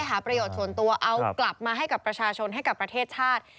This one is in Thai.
หาประโยชน์ส่วนตัวเอากลับมาให้กับประชาชนให้กับประเทศชาติ